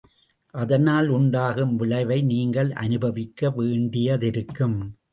அதனால் உண்டாகும் விளைவை, நீங்கள் அனுபவிக்க வேண்டியதிருக்கும்.